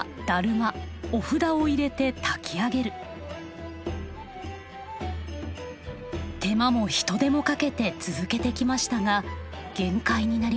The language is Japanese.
手間も人手もかけて続けてきましたが限界になりました。